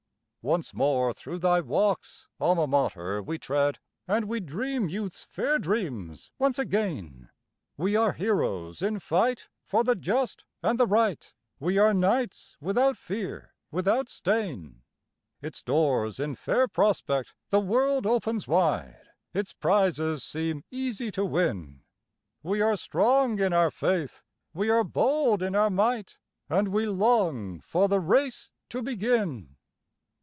Once more through thy walks, Alma Mater, we tread, And we dream youth's fair dreams once again, We are heroes in fight for the Just and the Right, We are knights without fear, without stain; Its doors in fair prospect the world opens wide, Its prizes seem easy to win, We are strong in our faith, we are bold in our might, And we long for the race to begin.